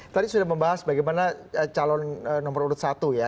tadi sudah membahas bagaimana calon nomor urut satu ya